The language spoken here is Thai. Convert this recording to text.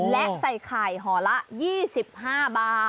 และใส่ไข่ห่อละ๒๕บาท